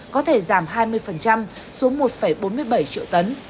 có thể giảm hai mươi xuống một bốn mươi bảy triệu tấn